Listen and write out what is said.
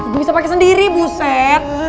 gua bisa pake sendiri buset